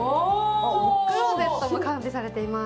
クローゼットも完備されています。